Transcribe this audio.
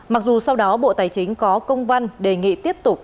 mặc dù sau đó bộ tài chính có công văn đề nghị tiếp tục